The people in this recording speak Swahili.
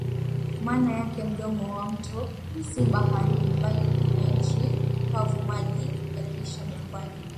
maana yake mdomo wa mto si baharini bali kwenye nchi kavumaji yakiishia jangwani